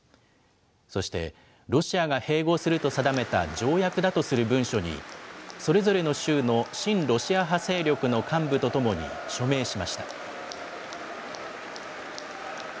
そして、ロシアが併合すると定めた条約だとする文書に、それぞれの州の親ロシア派勢力の幹部と共に署名しました。